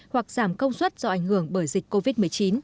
hoặc giảm công suất do ảnh hưởng bởi dịch covid một mươi chín